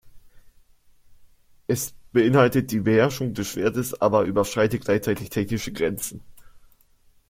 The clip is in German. Es beinhaltet die Beherrschung des Schwertes, aber überschreitet gleichzeitig technische Grenzen.